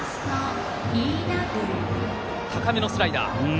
高めのスライダー。